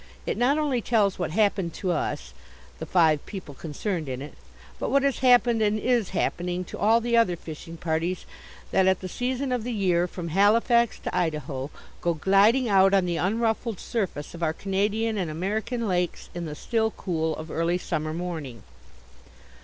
It not only tells what happened to us the five people concerned in it but what has happened and is happening to all the other fishing parties that at the season of the year, from Halifax to Idaho, go gliding out on the unruffled surface of our Canadian and American lakes in the still cool of early summer morning.